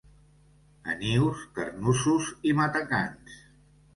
A Nyus, carnussos i matacans.